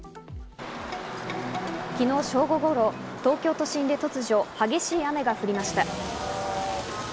昨日、正午ごろ東京都心で突如激しい雨が降りました。